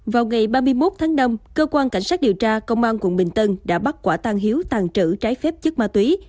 vào ngày ba mươi một tháng năm cơ quan cảnh sát điều tra công an quận bình tân đã bắt quả tang hiếu tàn trữ trái phép chất ma túy